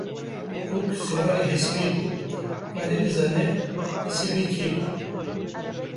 Bûk siwarî hespê bû, Xwedê dizane nisîbê kê bû.